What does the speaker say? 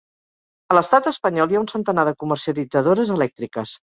A l'Estat espanyol hi ha un centenar de comercialitzadores elèctriques.